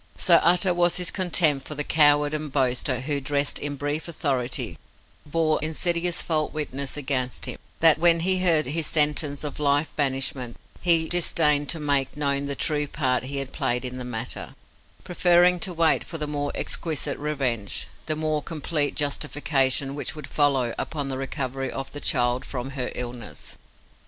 So utter was his contempt for the coward and boaster who, dressed in brief authority, bore insidious false witness against him, that, when he heard his sentence of life banishment, he disdained to make known the true part he had played in the matter, preferring to wait for the more exquisite revenge, the more complete justification which would follow upon the recovery of the child from her illness.